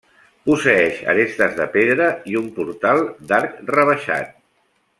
Posseeix arestes de pedra i un portal d'arc rebaixat.